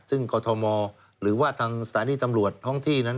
ซึ่งกรทมหรือว่าทางสถานีตำรวจท้องที่นั้น